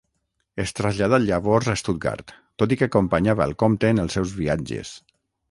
Es traslladà llavors a Stuttgart, tot i que acompanyava el comte en els seus viatges.